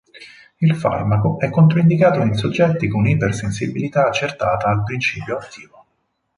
Il farmaco è controindicato in soggetti con ipersensibilità accertata al principio attivo.